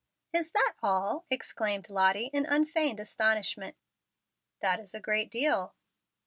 "Is that all?" exclaimed Lottie, in unfeigned astonishment. "That is a great deal."